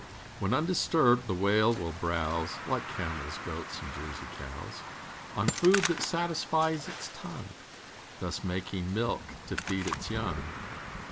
When undisturbed, the Whale will browse Like camels, goats, and Jersey cows, On food that satisfies its tongue, Thus making milk to feed its young.